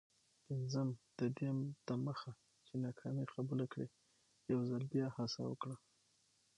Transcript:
پنځم: ددې دمخه چي ناکامي قبوله کړې، یوځل بیا هڅه وکړه.